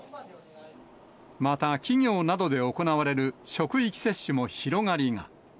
また企業などで行われる職域接種も広がりが。